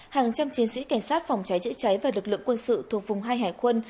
hàng trăm chiến sĩ cảnh sát phòng cháy chữa cháy và lực lượng quân sự thuộc vùng hai hải quân